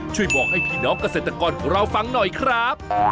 ช่วยบอกให้พี่น้องเกษตรกรของเราฟังหน่อยครับ